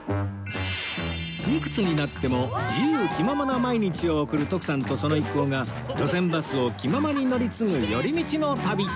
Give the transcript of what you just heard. いくつになっても自由気ままな毎日を送る徳さんとその一行が路線バスを気ままに乗り継ぐ寄り道の旅